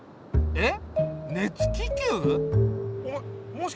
えっ？